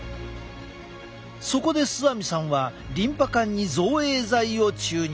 そこで須網さんはリンパ管に造影剤を注入。